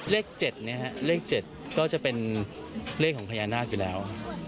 เลข๗เลข๗ก็จะเป็นเลขของพญานาคอยู่แล้ว